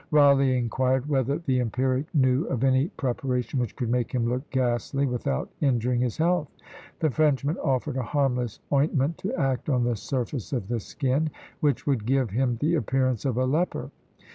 Rawleigh inquired whether the empiric knew of any preparation which could make him look ghastly, without injuring his health. The Frenchman offered a harmless ointment to act on the surface of the skin, which would give him the appearance of a leper.